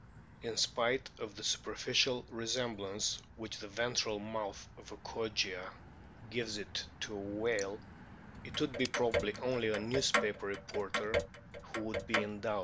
In spite of the superficial resemblance which the ventral mouth of a Kogia \ gives it to a whale, it would be probably only a newspaper reporter who would be in doubt on the matter.